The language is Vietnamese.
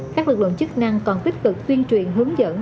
các lực lượng chức năng còn tích cực tuyên truyền hướng dẫn